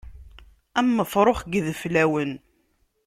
Am ufrux deg yideflawen.